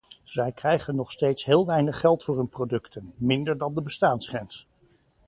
Zij krijgen nog steeds heel weinig geld voor hun producten, minder dan de bestaansgrens.